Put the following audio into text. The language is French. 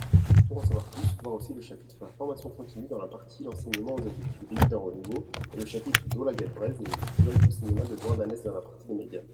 Pour en savoir plus, voir aussi le chapitre La formation continue dans la partie L’enseignement aux adultes : le début d’un renouveau ? et le chapitre Daoulagad Breizh et le Festival de cinéma de Douarnenez dans la partie des Médias.